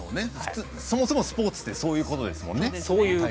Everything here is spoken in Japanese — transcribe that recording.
そもそもスポーツってそういうことですもんね。